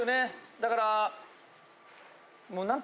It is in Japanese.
だから。